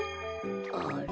あれ？